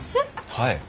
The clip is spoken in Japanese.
はい。